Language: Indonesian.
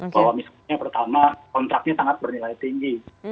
bahwa misalnya pertama kontraknya sangat bernilai tinggi